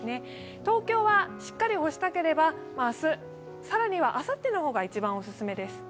東京はしっかり干したければ明日、更にはあさってが一番オススメです。